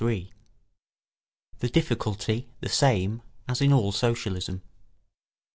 [Sidenote: The difficulty the same as in all Socialism.